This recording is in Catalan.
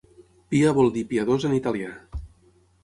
Pia vol dir piadós en italià.